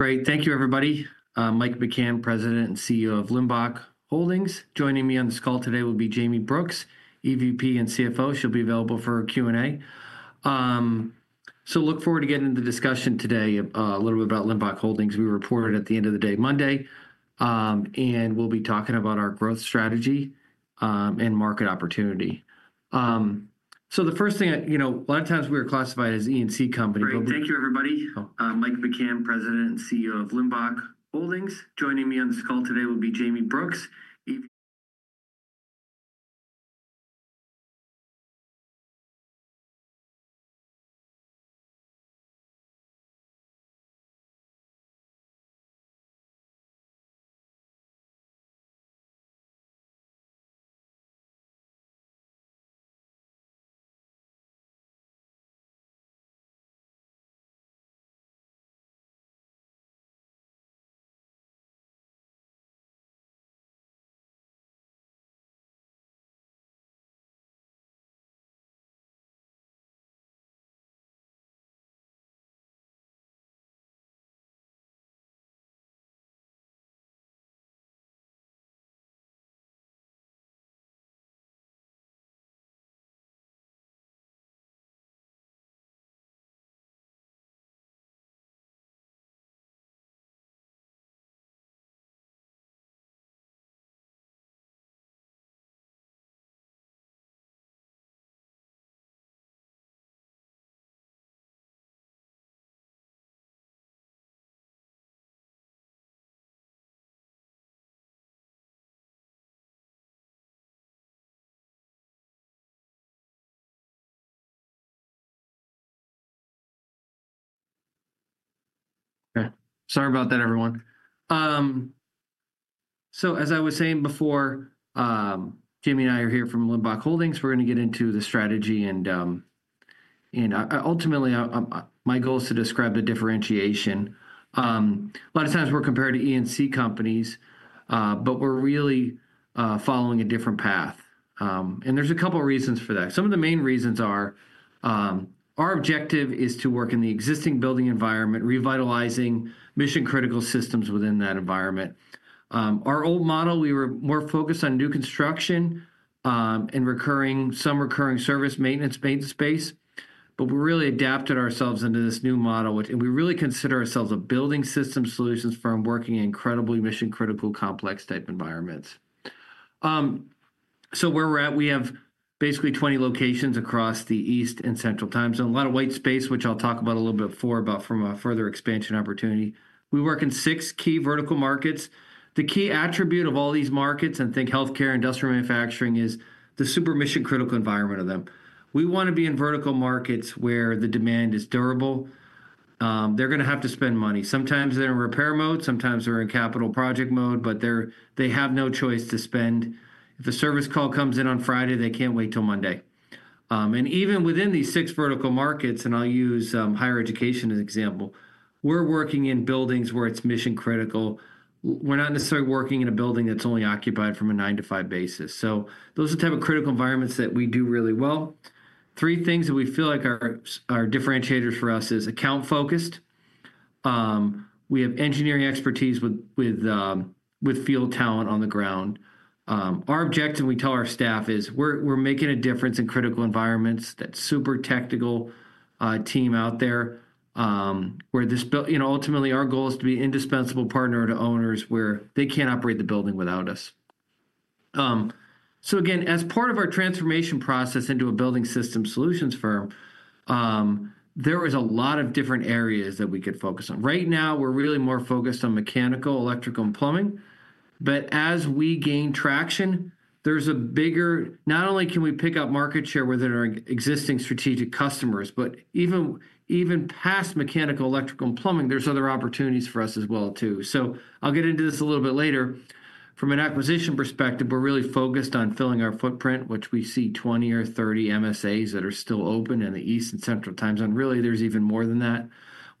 Great. Thank you, everybody. Mike McCann, President and CEO of Limbach Holdings. Joining me on this call today will be Jayme Brooks, EVP and CFO. She'll be available for Q&A. Look forward to getting into the discussion today a little bit about Limbach Holdings. We reported at the end of the day Monday, and we'll be talking about our growth strategy and market opportunity. The first thing, you know, a lot of times we are classified as E&C company. Thank you, everybody. Mike McCann, President and CEO of Limbach Holdings. Joining me on this call today will be Jamie Brooks. Sorry about that, everyone. As I was saying before, Jayme and I are here from Limbach Holdings. We're going to get into the strategy. Ultimately, my goal is to describe the differentiation. A lot of times we're compared to E&C companies, but we're really following a different path. There are a couple of reasons for that. Some of the main reasons are our objective is to work in the existing building environment, revitalizing mission-critical systems within that environment. Our old model, we were more focused on new construction and some recurring service maintenance space. We really adapted ourselves into this new model, and we really consider ourselves a building system solutions firm working in incredibly mission-critical, complex type environments. Where we're at, we have basically 20 locations across the East and Central Time Zone. A lot of white space, which I'll talk about a little bit before about from a further expansion opportunity. We work in six key vertical markets. The key attribute of all these markets, and think healthcare, industrial manufacturing, is the super mission-critical environment of them. We want to be in vertical markets where the demand is durable. They're going to have to spend money. Sometimes they're in repair mode, sometimes they're in capital project mode, but they have no choice to spend. If a service call comes in on Friday, they can't wait till Monday. Even within these six vertical markets, and I'll use higher education as an example, we're working in buildings where it's mission-critical. We're not necessarily working in a building that's only occupied from a nine-five basis. Those are the type of critical environments that we do really well. Three things that we feel like are differentiators for us is account-focused. We have engineering expertise with field talent on the ground. Our objective, and we tell our staff, is we're making a difference in critical environments. That's super technical team out there where this building, you know, ultimately our goal is to be an indispensable partner to owners where they can't operate the building without us. Again, as part of our transformation process into a building system solutions firm, there were a lot of different areas that we could focus on. Right now, we're really more focused on mechanical, electrical, and plumbing. As we gain traction, there's a bigger not only can we pick up market share with our existing strategic customers, but even past mechanical, electrical, and plumbing, there's other opportunities for us as well, too. I'll get into this a little bit later. From an acquisition perspective, we're really focused on filling our footprint, which we see 20 or 30 MSAs that are still open in the East and Central Time Zone. Really, there's even more than that.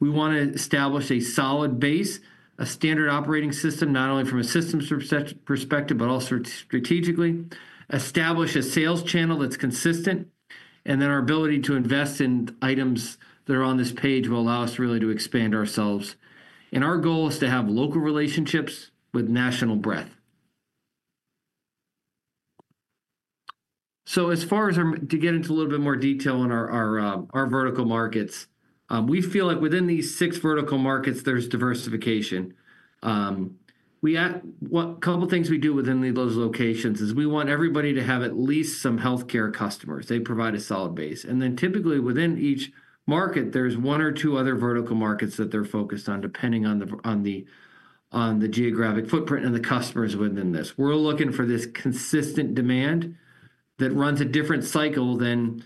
We want to establish a solid base, a standard operating system, not only from a systems perspective, but also strategically, establish a sales channel that's consistent. Our ability to invest in items that are on this page will allow us really to expand ourselves. Our goal is to have local relationships with national breadth. As far as to get into a little bit more detail on our vertical markets, we feel like within these six vertical markets, there's diversification. A couple of things we do within those locations is we want everybody to have at least some healthcare customers. They provide a solid base. Typically within each market, there's one or two other vertical markets that they're focused on, depending on the geographic footprint and the customers within this. We're looking for this consistent demand that runs a different cycle than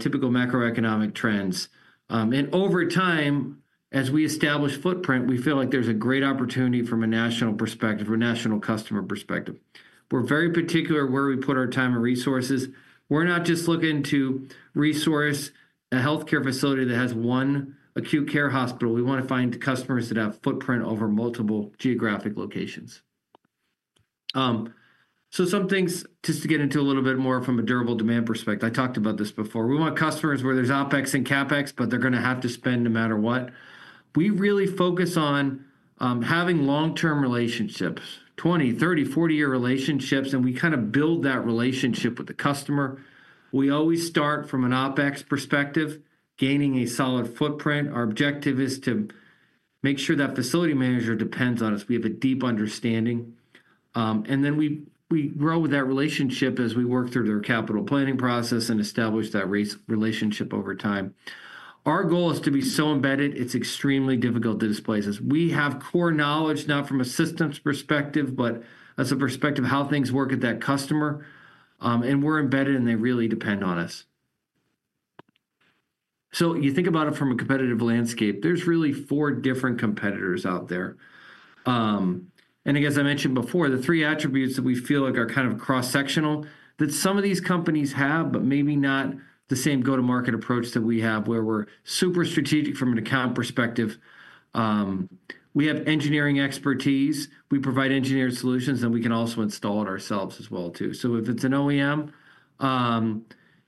typical macroeconomic trends. Over time, as we establish footprint, we feel like there's a great opportunity from a national perspective, from a national customer perspective. We're very particular where we put our time and resources. We're not just looking to resource a healthcare facility that has one acute care hospital. We want to find customers that have footprint over multiple geographic locations. Some things just to get into a little bit more from a durable demand perspective. I talked about this before. We want customers where there's OPEX and CAPEX, but they're going to have to spend no matter what. We really focus on having long-term relationships, 20, 30, 40-year relationships, and we kind of build that relationship with the customer. We always start from an OPEX perspective, gaining a solid footprint. Our objective is to make sure that facility manager depends on us. We have a deep understanding. Then we grow with that relationship as we work through their capital planning process and establish that relationship over time. Our goal is to be so embedded, it's extremely difficult to displace us. We have core knowledge, not from a systems perspective, but as a perspective of how things work at that customer. We're embedded, and they really depend on us. You think about it from a competitive landscape, there's really four different competitors out there. I guess I mentioned before, the three attributes that we feel like are kind of cross-sectional that some of these companies have, but maybe not the same go-to-market approach that we have where we're super strategic from an account perspective. We have engineering expertise. We provide engineered solutions, and we can also install it ourselves as well, too. If it's an OEM,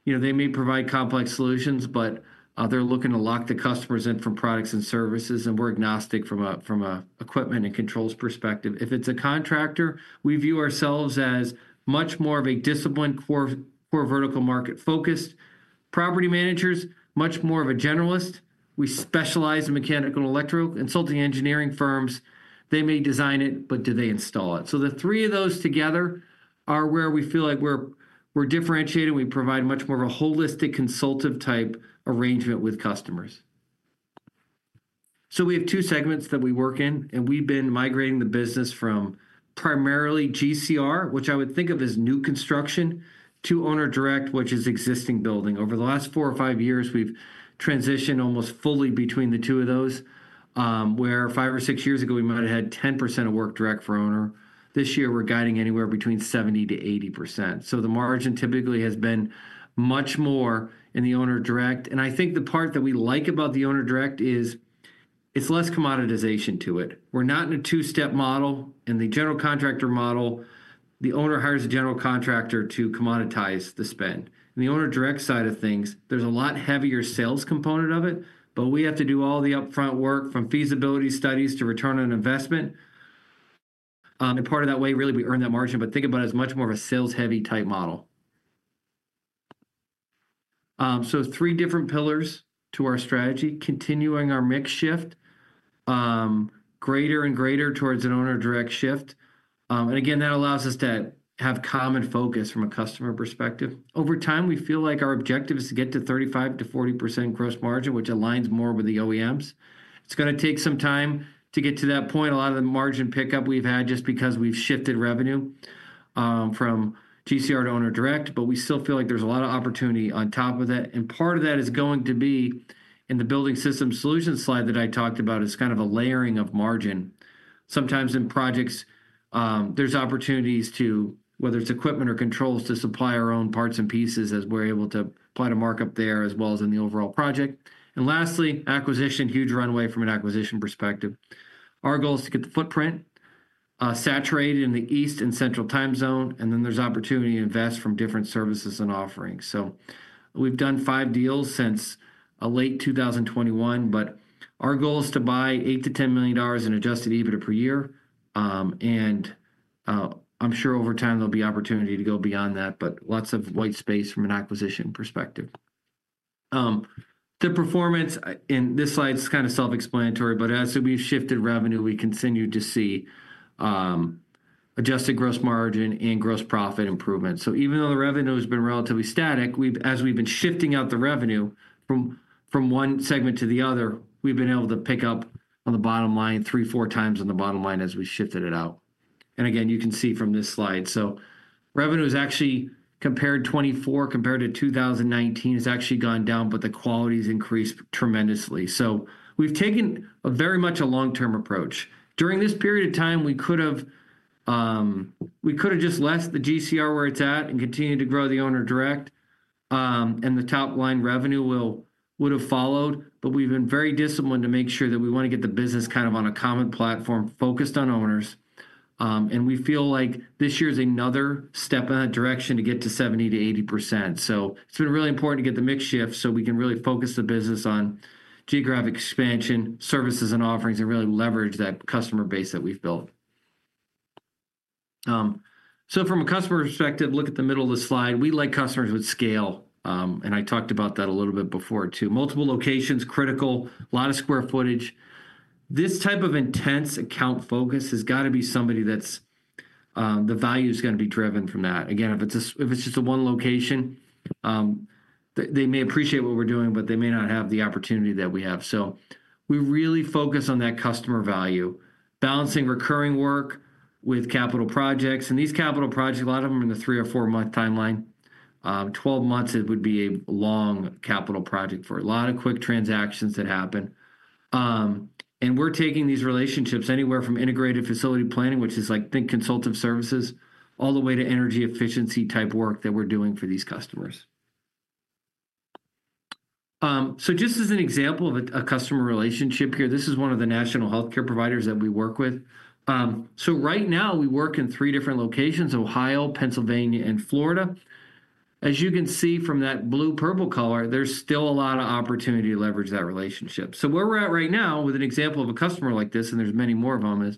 you know, they may provide complex solutions, but they're looking to lock the customers in from products and services, and we're agnostic from an equipment and controls perspective. If it's a contractor, we view ourselves as much more of a disciplined, core vertical market-focused property managers, much more of a generalist. We specialize in mechanical and electrical consulting engineering firms. They may design it, but do they install it? The three of those together are where we feel like we're differentiated. We provide much more of a holistic consultative type arrangement with customers. We have two segments that we work in, and we've been migrating the business from primarily GCR, which I would think of as new construction, to owner-direct, which is existing building. Over the last four or five years, we've transitioned almost fully between the two of those, where five or six years ago, we might have had 10% of work direct for owner. This year, we're guiding anywhere between 70%-80%. The margin typically has been much more in the owner-direct. I think the part that we like about the owner-direct is it's less commoditization to it. We're not in a two-step model. In the general contractor model, the owner hires a general contractor to commoditize the spend. In the owner-direct side of things, there's a lot heavier sales component of it, but we have to do all the upfront work from feasibility studies to return on investment. Part of that way, really, we earn that margin, but think about it as much more of a sales-heavy type model. Three different pillars to our strategy, continuing our mix shift, greater and greater towards an owner-direct shift. Again, that allows us to have common focus from a customer perspective. Over time, we feel like our objective is to get to 35%-40% gross margin, which aligns more with the OEMs. It's going to take some time to get to that point. A lot of the margin pickup we've had just because we've shifted revenue from GCR to owner-direct, but we still feel like there's a lot of opportunity on top of that. Part of that is going to be in the building system solution slide that I talked about. It's kind of a layering of margin. Sometimes in projects, there's opportunities to, whether it's equipment or controls, to supply our own parts and pieces as we're able to apply to mark up there as well as in the overall project. Lastly, acquisition, huge runway from an acquisition perspective. Our goal is to get the footprint saturated in the East and Central Time Zone, and then there's opportunity to invest from different services and offerings. We've done five deals since late 2021, but our goal is to buy $8-$10 million in adjusted EBITDA per year. I'm sure over time, there'll be opportunity to go beyond that, but lots of white space from an acquisition perspective. The performance in this slide is kind of self-explanatory, but as we've shifted revenue, we continue to see adjusted gross margin and gross profit improvement. Even though the revenue has been relatively static, as we've been shifting out the revenue from one segment to the other, we've been able to pick up on the bottom line three, four times on the bottom line as we shifted it out. You can see from this slide. Revenue has actually, compared 2024 compared to 2019, has actually gone down, but the quality has increased tremendously. We've taken very much a long-term approach. During this period of time, we could have just left the GCR where it's at and continued to grow the owner-direct. The top line revenue would have followed, but we've been very disciplined to make sure that we want to get the business kind of on a common platform focused on owners. We feel like this year is another step in that direction to get to 70%-80%. It's been really important to get the mix shift so we can really focus the business on geographic expansion, services and offerings, and really leverage that customer base that we've built. From a customer perspective, look at the middle of the slide. We like customers with scale. I talked about that a little bit before, too. Multiple locations, critical, a lot of square footage. This type of intense account focus has got to be somebody that's the value is going to be driven from that. Again, if it's just a one location, they may appreciate what we're doing, but they may not have the opportunity that we have. We really focus on that customer value, balancing recurring work with capital projects. These capital projects, a lot of them are in the three or four-month timeline. Twelve months would be a long capital project for a lot of quick transactions that happen. We're taking these relationships anywhere from integrated facility planning, which is like, think consultative services, all the way to energy efficiency type work that we're doing for these customers. Just as an example of a customer relationship here, this is one of the national healthcare providers that we work with. Right now, we work in three different locations, Ohio, Pennsylvania, and Florida. As you can see from that blue-purple color, there's still a lot of opportunity to leverage that relationship. Where we're at right now with an example of a customer like this, and there's many more of them, is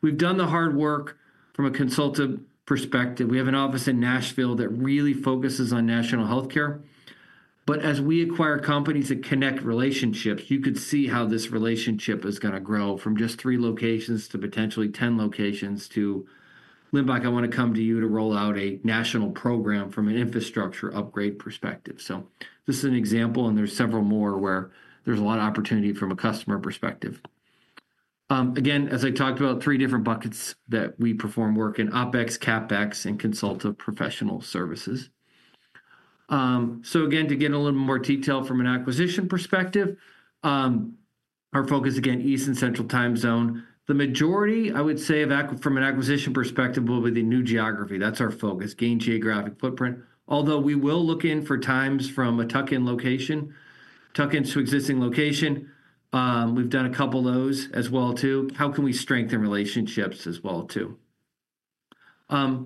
we've done the hard work from a consultative perspective. We have an office in Nashville that really focuses on national healthcare. As we acquire companies that connect relationships, you could see how this relationship is going to grow from just three locations to potentially 10 locations to Limbach. I want to come to you to roll out a national program from an infrastructure upgrade perspective. This is an example, and there's several more where there's a lot of opportunity from a customer perspective. Again, as I talked about, three different buckets that we perform work in: OPEX, CAPEX, and consultative professional services. Again, to get a little more detail from an acquisition perspective, our focus, again, East and Central Time Zone. The majority, I would say, from an acquisition perspective will be the new geography. That's our focus: gain geographic footprint. Although we will look in for times from a Tuck-in location, Tuck-ins to existing location, we've done a couple of those as well, too. How can we strengthen relationships as well, too? What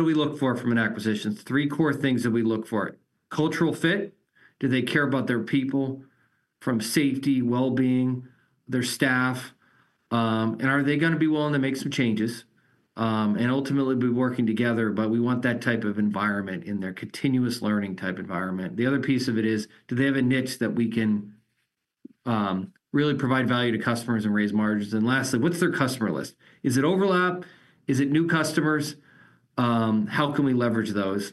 do we look for from an acquisition? Three core things that we look for: cultural fit. Do they care about their people from safety, well-being, their staff? Are they going to be willing to make some changes? Ultimately, be working together, but we want that type of environment in their continuous learning type environment. The other piece of it is, do they have a niche that we can really provide value to customers and raise margins? Lastly, what's their customer list? Is it overlap? Is it new customers? How can we leverage those?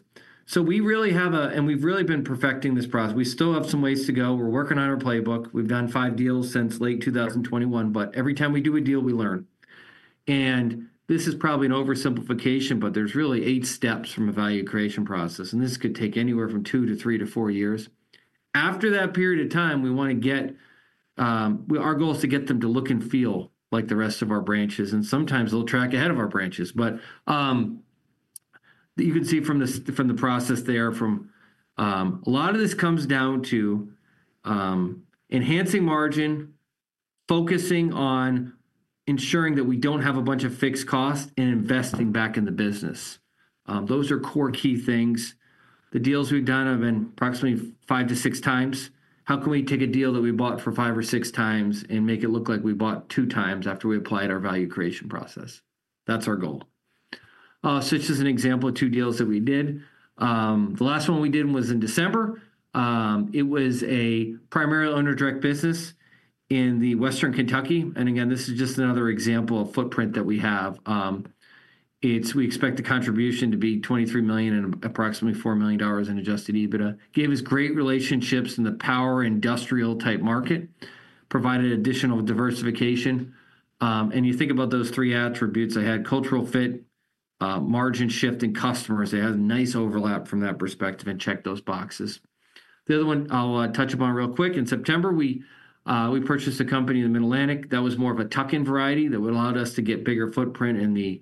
We really have a, and we've really been perfecting this process. We still have some ways to go. We're working on our playbook. We've done five deals since late 2021, but every time we do a deal, we learn. This is probably an oversimplification, but there's really eight steps from a value creation process, and this could take anywhere from two-three-four years. After that period of time, our goal is to get them to look and feel like the rest of our branches. Sometimes they'll track ahead of our branches. You can see from the process there, a lot of this comes down to enhancing margin, focusing on ensuring that we do not have a bunch of fixed costs, and investing back in the business. Those are core key things. The deals we have done have been approximately five-six times. How can we take a deal that we bought for five or six times and make it look like we bought two times after we applied our value creation process? That is our goal. It is just an example of two deals that we did. The last one we did was in December. It was a primarily owner-direct business in western Kentucky. Again, this is just another example of footprint that we have. We expect the contribution to be $23 million and approximately $4 million in adjusted EBITDA. Gave us great relationships in the power industrial type market, provided additional diversification. You think about those three attributes I had: cultural fit, margin shift, and customers. They had a nice overlap from that perspective and checked those boxes. The other one I'll touch upon real quick. In September, we purchased a company in the Mid-Atlantic that was more of a Tuck-in variety that would allow us to get bigger footprint in the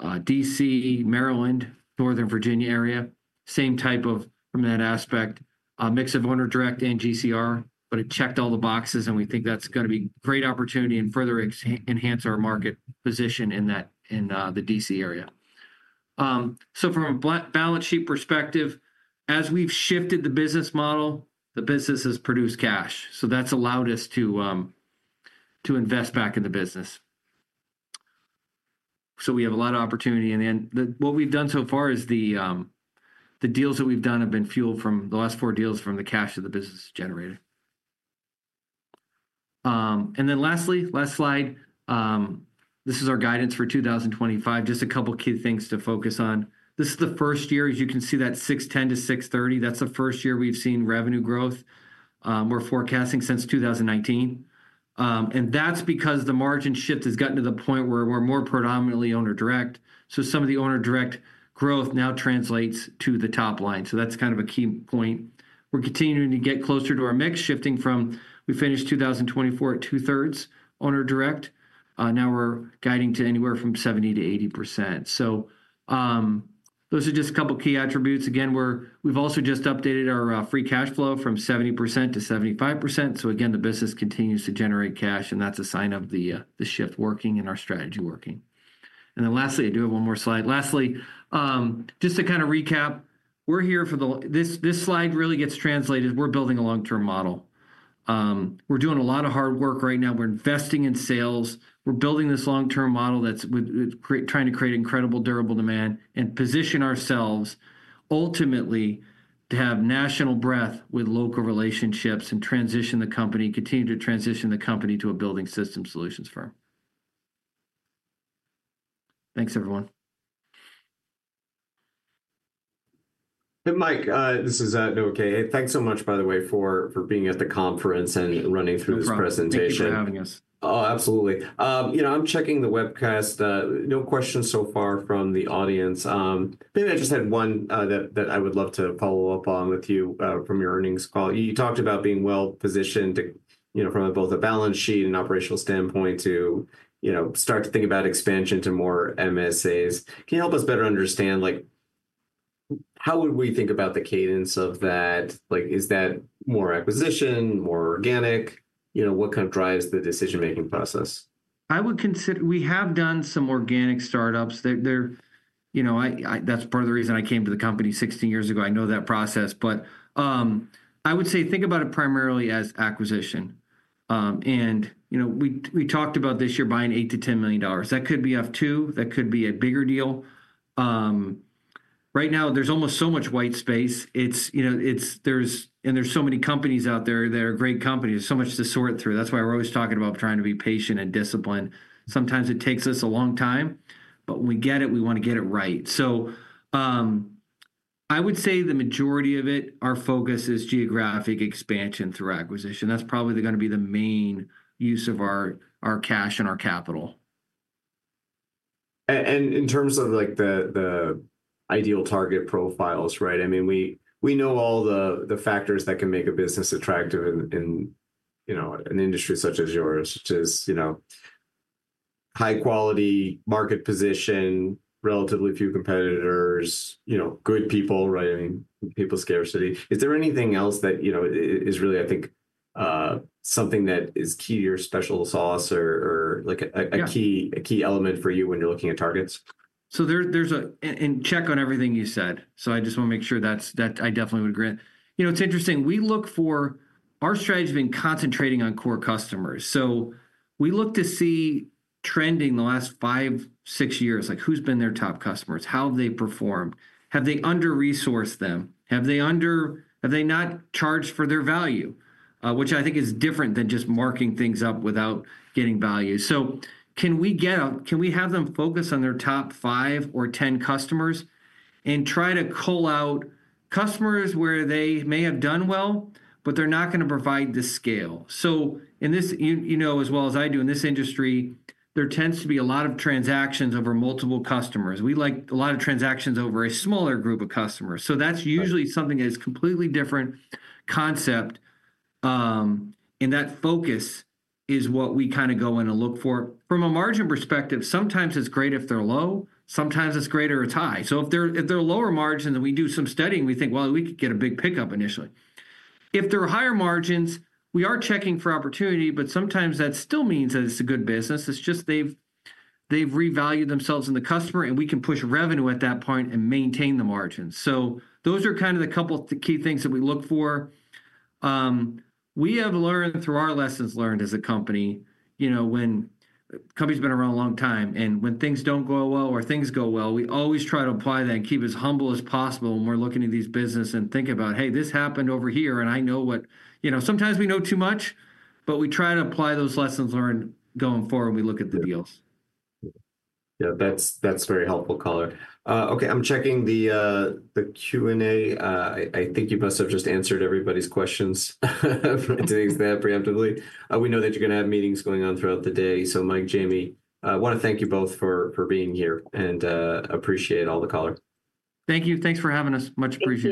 DC, Maryland, northern Virginia area. Same type of, from that aspect, a mix of owner-direct and GCR, but it checked all the boxes, and we think that's going to be a great opportunity and further enhance our market position in the DC area. From a balance sheet perspective, as we've shifted the business model, the business has produced cash. That's allowed us to invest back in the business. We have a lot of opportunity. What we've done so far is the deals that we've done have been fueled from the last four deals from the cash that the business generated. Lastly, last slide, this is our guidance for 2025. Just a couple of key things to focus on. This is the first year, as you can see, that $610 million-$630 million. That's the first year we've seen revenue growth we're forecasting since 2019. That's because the margin shift has gotten to the point where we're more predominantly owner-direct. Some of the owner-direct growth now translates to the top line. That's kind of a key point. We're continuing to get closer to our mix, shifting from we finished 2024 at 2/3 owner-direct. Now we're guiding to anywhere from 70%-80%. Those are just a couple of key attributes. Again, we've also just updated our free cash flow from 70%-75%. The business continues to generate cash, and that's a sign of the shift working and our strategy working. Lastly, I do have one more slide. Just to kind of recap, we're here for this slide really gets translated. We're building a long-term model. We're doing a lot of hard work right now. We're investing in sales. We're building this long-term model that's trying to create incredible durable demand and position ourselves ultimately to have national breadth with local relationships and continue to transition the company to a building system solutions firm. Thanks, everyone. Hey, Mike, this is Noah Kaye. Thanks so much, by the way, for being at the conference and running through this presentation. Thank you for having us. Oh, absolutely. You know, I'm checking the webcast. No questions so far from the audience. Maybe I just had one that I would love to follow up on with you from your earnings call. You talked about being well-positioned from both a balance sheet and operational standpoint to start to think about expansion to more MSAs. Can you help us better understand how would we think about the cadence of that? Is that more acquisition, more organic? What kind of drives the decision-making process? I would consider we have done some organic startups. That's part of the reason I came to the company 16 years ago. I know that process, but I would say think about it primarily as acquisition. And we talked about this year buying $8 million-$10 million. That could be up to, that could be a bigger deal. Right now, there's almost so much white space. There are so many companies out there that are great companies. There is so much to sort through. That is why we are always talking about trying to be patient and disciplined. Sometimes it takes us a long time, but when we get it, we want to get it right. I would say the majority of it, our focus is geographic expansion through acquisition. That is probably going to be the main use of our cash and our capital. In terms of the ideal target profiles, right? I mean, we know all the factors that can make a business attractive in an industry such as yours, which is high-quality market position, relatively few competitors, good people, right? I mean, people scarcity. Is there anything else that is really, I think, something that is key to your special sauce or a key element for you when you are looking at targets? There's a check on everything you said. I just want to make sure that I definitely would agree. It's interesting. We look for our strategy of being concentrating on core customers. We look to see trending the last five, six years, who's been their top customers, how have they performed, have they under-resourced them, have they not charged for their value, which I think is different than just marking things up without getting value. Can we have them focus on their top five or ten customers and try to call out customers where they may have done well, but they're not going to provide the scale? As well as I do in this industry, there tends to be a lot of transactions over multiple customers. We like a lot of transactions over a smaller group of customers. That's usually something that is a completely different concept. That focus is what we kind of go in and look for. From a margin perspective, sometimes it's great if they're low. Sometimes it's great or it's high. If they're lower margins and we do some studying, we think, well, we could get a big pickup initially. If they're higher margins, we are checking for opportunity, but sometimes that still means that it's a good business. It's just they've revalued themselves in the customer, and we can push revenue at that point and maintain the margins. Those are kind of the couple of key things that we look for. We have learned through our lessons learned as a company. When a company's been around a long time and when things don't go well or things go well, we always try to apply that and keep as humble as possible when we're looking at these businesses and think about, hey, this happened over here, and I know what sometimes we know too much, but we try to apply those lessons learned going forward when we look at the deals. Yeah, that's very helpful color. Okay, I'm checking the Q&A. I think you must have just answered everybody's questions to the extent preemptively. We know that you're going to have meetings going on throughout the day. So Mike, Jayme, I want to thank you both for being here and appreciate all the color. Thank you. Thanks for having us. Much appreciation.